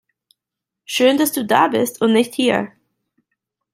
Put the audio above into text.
Schön dass du da bist und nicht hier!